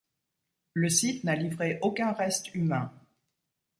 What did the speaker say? Le site n'a livré aucun reste humain.